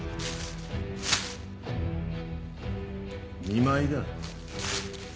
見舞いだ。